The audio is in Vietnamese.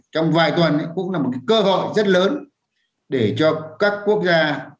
trong vài tuần cũng là một cơ hội rất lớn để cho các quốc gia